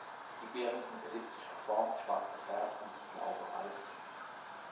Die Beeren sind elliptisch geformt, schwarz gefärbt und blau bereift.